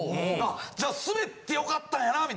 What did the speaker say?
じゃあスベって良かったんやなみたいな。